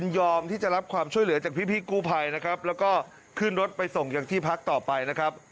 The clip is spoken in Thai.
นี่แหละครับคุยด้วยเธอไม่คุยด้วย